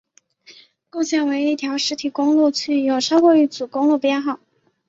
共线为一条实体公路具有超过一组的公路编号。